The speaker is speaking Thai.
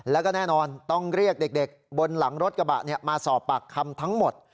แล้วก็แน่นอนต้องเรียกเด็กบนหลังรถกระบะมาสอบปากคำทั้งหมด